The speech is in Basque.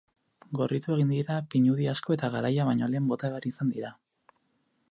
Gorritu egin dira pinudi asko eta garaia baino lehen bota behar izan dira.